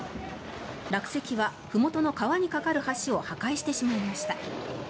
落石はふもとの川に架かる橋を破壊してしまいました。